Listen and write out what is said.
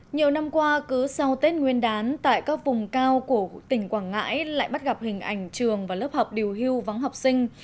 nhiều năm qua cứ sau tết nguyên đán tại các vùng cao của tỉnh quảng ngãi lại bắt gặp hình ảnh trường và lớp học điều hưu vắng học sinh